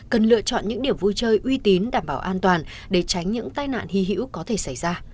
cần lựa chọn những điểm vui chơi uy tín đảm bảo an toàn để tránh những tai nạn hy hữu có thể xảy ra